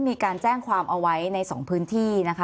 มีการแจ้งความเอาไว้ในสองพื้นที่นะคะ